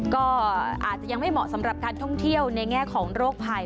ก็อาจจะยังไม่เหมาะสำหรับการท่องเที่ยวในแง่ของโรคภัย